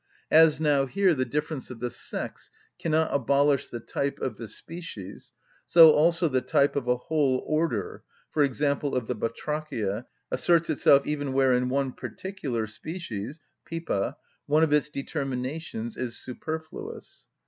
As now here the difference of the sex cannot abolish the type of the species, so also the type of a whole order—for example, of the batrachia—asserts itself even where in one particular species (pipa) one of its determinations is superfluous.